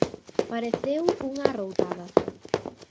Pareceu unha arroutada.